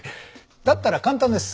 だったら簡単です。